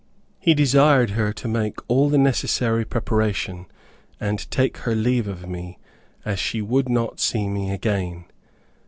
He desired her to make all the necessary preparation, and take her leave of me, as she would not see me again.